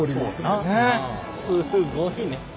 すごいね。